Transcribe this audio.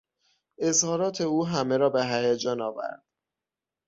اظهارات او همه را به هیجان آورد.